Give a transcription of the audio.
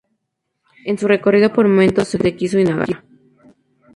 En su recorrido, por momentos, se une a los ríos de Kiso y Nagara.